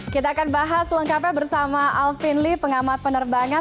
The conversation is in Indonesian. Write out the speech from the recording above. kita akan bahas lengkapnya bersama alvin lee pengamat penerbangan